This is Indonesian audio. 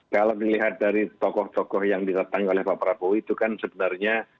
kalau dilihat dari tokoh tokoh yang didatangi oleh pak prabowo itu kan sebenarnya